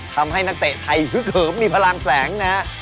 นักเตะไทยฮึกเหิมมีพลังแสงนะฮะ